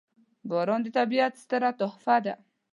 • باران د طبیعت ستره تحفه ده.